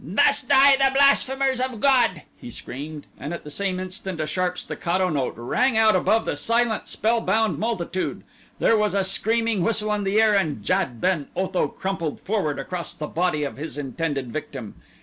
"Thus die the blasphemers of God!" he screamed, and at the same instant a sharp staccato note rang out above the silent, spell bound multitude. There was a screaming whistle in the air and Jad ben Otho crumpled forward across the body of his intended victim.